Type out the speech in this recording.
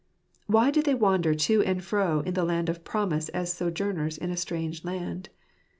Why did they wander to and fro in the land of promise as sojourners in a strange land?